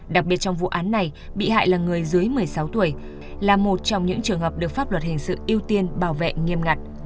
đặc biệt trong vụ án này bị hại là người dưới một mươi sáu tuổi là một trong những trường hợp được pháp luật hình sự ưu tiên bảo vệ nghiêm ngặt